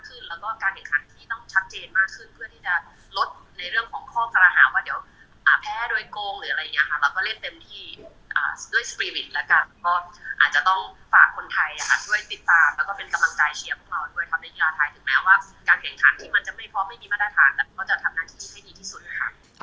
แต่มันก็จะทำงานที่ที่ให้ดีที่สุดค่ะ